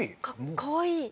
かわいい。